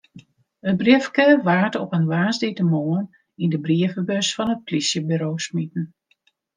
It briefke waard op in woansdeitemoarn yn de brievebus fan it polysjeburo smiten.